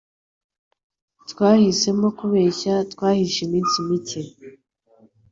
Twahisemo kubeshya twihishe iminsi mike.